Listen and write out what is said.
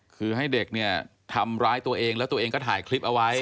คือให้เด็กเนี่ยทำร้ายตัวเองแล้วตัวเองก็ถ่ายคลิปเอาไว้